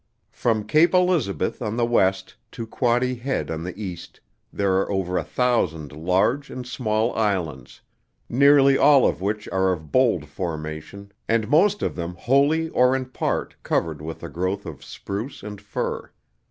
From Cape Elizabeth on the west to Quoddy Head on the east, there are over a thousand large and small islands, nearly all of which are of bold formation and most of them wholly or in part covered with a growth of spruce and fir.